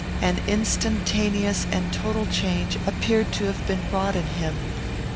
An instantaneous and total change appeared to have been wrought in him.